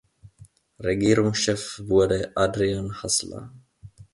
Regierungschef wurde Adrian Hasler.